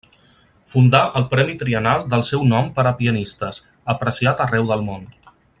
Fundà el premi triennal del seu nom per a pianistes, apreciat arreu del món.